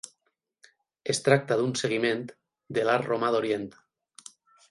Es tracta d'un seguiment de l'art romà d'Orient.